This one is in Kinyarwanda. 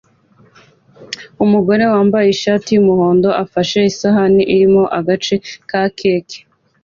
Umugore wambaye ishati yumuhondo afashe isahani irimo agace ka keke